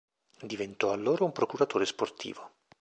Diventò allora un procuratore sportivo.